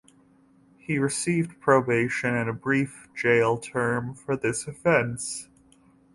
He received probation and a brief jail term for this offense.